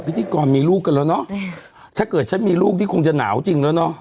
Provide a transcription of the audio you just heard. พิธีกรมีลูกกันแล้วเนอะถ้าเกิดฉันมีลูกนี่คงจะหนาวจริงแล้วเนอะ